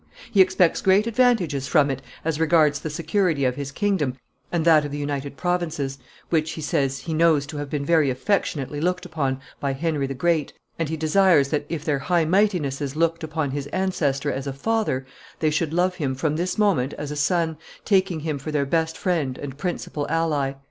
He expects great advantages from it as regards the security of his kingdom and that of the United Provinces, which, he says, he knows to have been very affectionately looked upon by Henry the Great and he desires that, if their High Mightinesses looked upon his ancestor as a father, they should love him from this moment as a son, taking him for their best friend and principal ally."